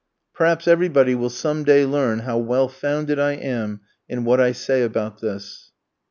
Perhaps everybody will some day learn how well founded I am in what I say about this.